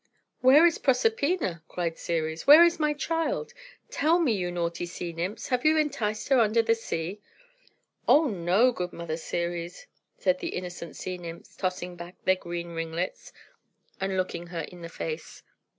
"Where is Proserpina?" cried Ceres. "Where is my child? Tell me, you naughty sea nymphs, have you enticed her under the sea?" "Oh, no, good Mother Ceres," said the innocent sea nymphs, tossing back their green ringlets and looking her in the face.